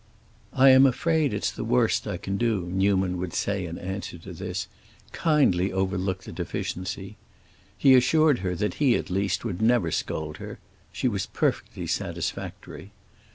"I am afraid it's the worst I can do," Newman would say in answer to this. "Kindly overlook the deficiency." He assured her that he, at least, would never scold her; she was perfectly satisfactory.